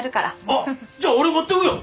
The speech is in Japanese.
あっじゃ俺持ってくよ。